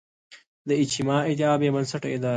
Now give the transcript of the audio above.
د اجماع ادعا بې بنسټه ادعا ده